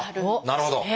なるほど！